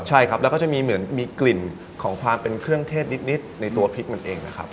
ใช่ครับแล้วก็จะมีเหมือนมีกลิ่นของความเป็นเครื่องเทศนิดในตัวพริกมันเองนะครับ